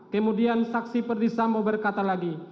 kemudian saksi perdisambo berkata lagi